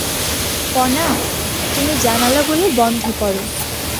ফনা, তুমি জানালাগুলো বন্ধ করো।